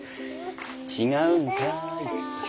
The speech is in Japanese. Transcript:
違うんかい。